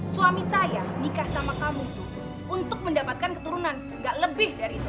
suami saya menikah sama kamu untuk mendapatkan keturunan tidak lebih dari itu